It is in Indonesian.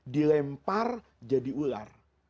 dilempar jadi ular